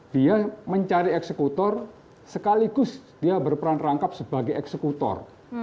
dia mencari eksekutor sekaligus dia berperan rangkap sebagai eksekutor